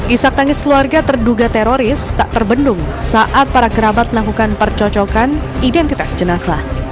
isak tangis keluarga terduga teroris tak terbendung saat para kerabat melakukan percocokan identitas jenazah